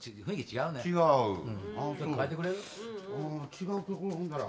違う曲ほんなら。